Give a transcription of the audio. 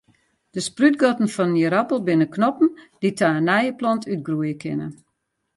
De sprútgatten fan in ierappel binne knoppen dy't ta in nije plant útgroeie kinne.